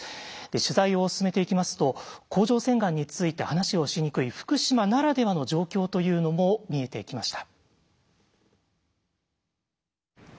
取材を進めていきますと甲状腺がんについて話をしにくい福島ならではの状況というのも見えてきました。